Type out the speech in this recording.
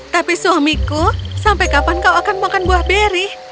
tapi suamiku sampai kapan kau akan makan buah beri